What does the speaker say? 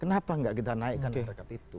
kenapa gak kita naikkan harkat itu